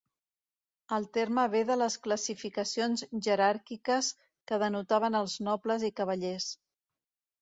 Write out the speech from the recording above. El terme ve de les classificacions jeràrquiques que denotaven els nobles i cavallers.